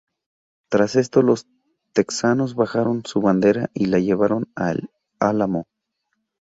Tras esto, los texanos bajaron su bandera y la llevaron a El Álamo.